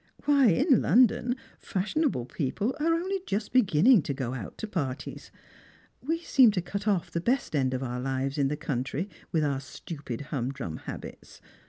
Why, in London fashionable people are only just beginning to go out to parties ! We seem to cut off" the best end of our lives in the country with our stupid humdrum habits.